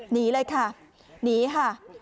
หนีเลยค่ะหนีค่ะ